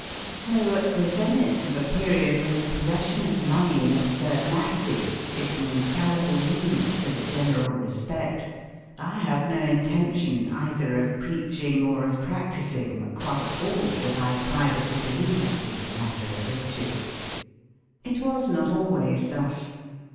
So at the zenith of a period when the possession of money in absurd masses is an infallible means to the general respect, I have no intention either of preaching or of practising quite all that I privately in the matter of riches. It was not always thus.